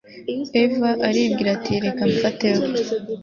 Eva aribwira ati reka mfateho